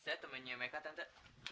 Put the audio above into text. saya temannya meka tante